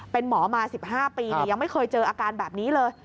เป็นหมอมา๑๕ปียังไม่เคยเจออาการแบบนี้เลย